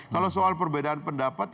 kalau soal perbedaan pendapat